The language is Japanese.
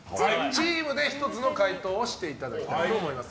チームで１つの解答をしてもらいたいと思います。